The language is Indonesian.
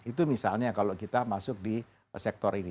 itu misalnya kalau kita masuk di sektor ini